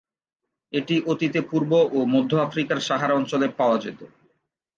এটি অতীতে পূর্ব ও মধ্য আফ্রিকার সাহারা অঞ্চলে পাওয়া যেত।